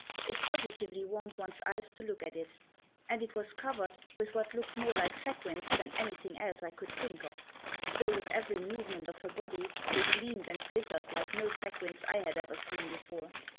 It positively warmed one's eyes to look at it. And it was covered with what looked more like sequins than anything else I could think of; though, with every movement of her body, they gleamed and glittered like no sequins I had ever seen before.